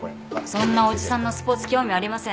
そんなおじさんのスポーツ興味ありません。